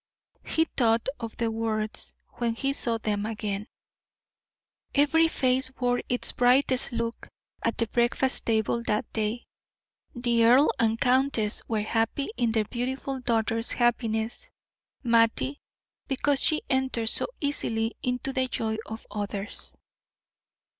He thought of the words when he saw them again. Every face wore its brightest look at the breakfast table that day. The earl and countess were happy in their beautiful daughter's happiness; Mattie, because she entered so easily into the joy of others.